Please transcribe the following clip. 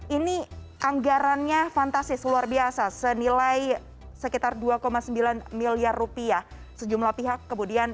ini anggarannya fantastis luar biasa senilai sekitar dua sembilan miliar rupiah sejumlah pihak kemudian